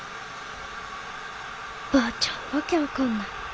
ばあちゃんわけわかんない。